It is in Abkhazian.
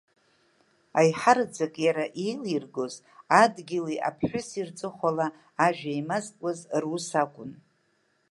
Аиҳараӡак иара еилиргоз, адгьыли, аԥҳәыси рҵыхәала ажәа еимазкуаз рус акәын.